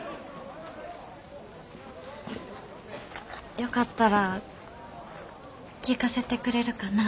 よかったら聞かせてくれるかなあ